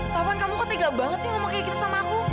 tauan kamu ketiga banget sih ngomong kayak gitu sama aku